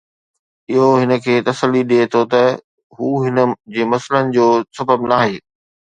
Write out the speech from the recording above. اهو هن کي تسلي ڏئي ٿو ته هو هن جي مسئلن جو سبب ناهي.